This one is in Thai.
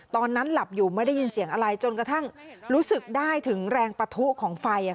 ตอนนั้นหลับอยู่ไม่ได้ยินเสียงอะไรจนกระทั่งรู้สึกได้ถึงแรงปะทุของไฟ